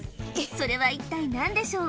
それは一体何でしょう？